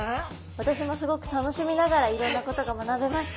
私もすごく楽しみながらいろんなことが学べました。